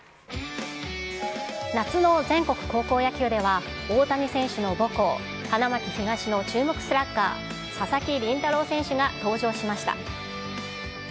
夏の全国高校野球では、大谷選手の母校、花巻東の注目スラッガー、佐々木麟太郎選手が登場しました。